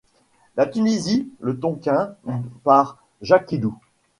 La Tunisie, le Tonkin, par Jacquillou.